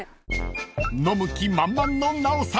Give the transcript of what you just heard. ［飲む気満々の奈緒さん］